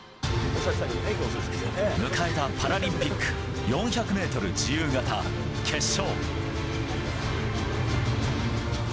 迎えたパラリンピック４００ｍ自由形決勝。